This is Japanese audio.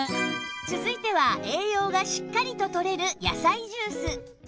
続いては栄養がしっかりと取れる野菜ジュース